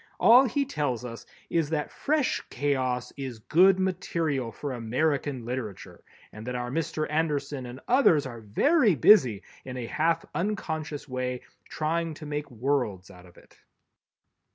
All he tells us is that fresh chaos is good material for American literature, and that our Mr. Anderson and others are very busy in a half unconscious way, trying to make "worlds" out of it.